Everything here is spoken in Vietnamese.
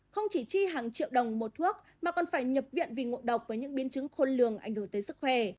không chỉ chi hàng triệu đồng một thuốc mà còn phải nhập viện vì ngộ độc với những biến chứng khôn lường ảnh hưởng tới sức khỏe